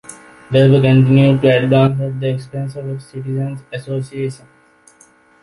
Labour continued to advance at the expense of the Citizens Association.